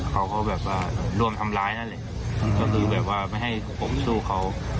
เขาก็แบบว่าร่วมทำร้ายนั่นแหละก็คือแบบว่าไม่ให้ผมสู้เขา